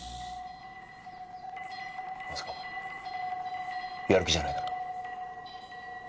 まさかお前やる気じゃないだろうな？